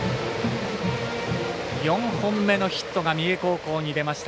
４本目のヒットが三重高校に出ました。